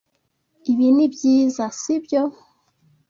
Ibi nibyiza, sibyo?